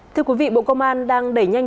thưa quý vị bộ công an đang đẩy nhanh